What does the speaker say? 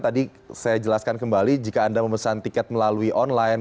tadi saya jelaskan kembali jika anda memesan tiket melalui online